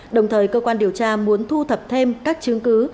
đồng thời cơ quan điều tra muốn thu thập thêm các chứng cứ